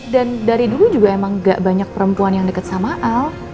dan dari dulu juga emang gak banyak perempuan yang deket sama al